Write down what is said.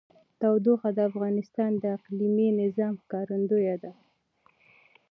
تودوخه د افغانستان د اقلیمي نظام ښکارندوی ده.